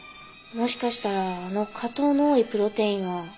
もしかしたらあの果糖の多いプロテインは。